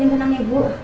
ini menang ibu